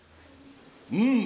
うん。